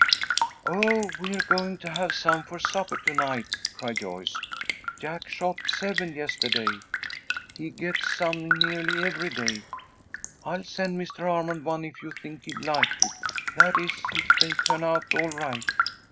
"Oh, we're going to have some for supper to night," cried Joyce. "Jack shot seven yesterday. He gets some nearly every day. I'll send Mr. Armond one if you think he'd like it. That is, if they turn out all right.